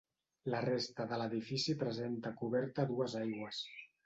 La resta de l'edifici presenta coberta a dues aigües.